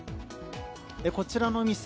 こちらの店